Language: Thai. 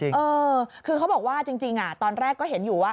เออคือเขาบอกว่าจริงตอนแรกก็เห็นอยู่ว่า